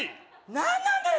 何なんだよ